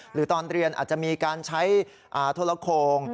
หรือตอนเรียนอาจจะมีการใช้โทรโครง